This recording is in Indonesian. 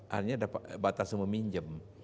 hanya batasan meminjam